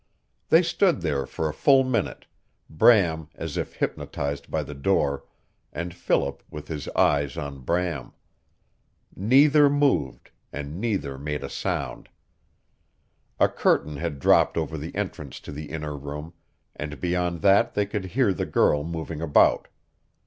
They stood there for a full minute, Bram as if hypnotized by the door, and Philip with his eyes on Bram. Neither moved, and neither made a sound. A curtain had dropped over the entrance to the inner room, and beyond that they could hear the girl moving about.